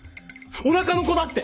お腹の子だって！